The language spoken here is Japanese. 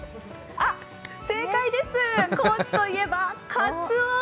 正解です、高知といえばかつお。